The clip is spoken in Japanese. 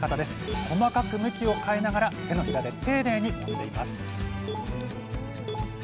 細かく向きを変えながら手のひらで丁寧にもんでいます